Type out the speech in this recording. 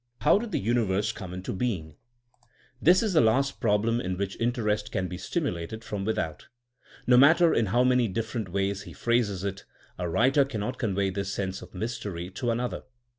How did the uni verse come into being? This is the last prob THINKING AS A 8CIEN0E 223 lem in which interest can be stimulated from without. No matter in how many different ways he phrases it, a writer cannot convey this sense of mystery to another.